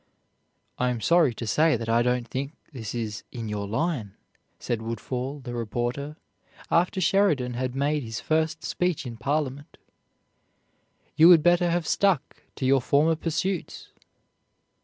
"I am sorry to say that I don't think this is in your line," said Woodfall the reporter, after Sheridan had made his first speech in Parliament. "You would better have stuck to your former pursuits."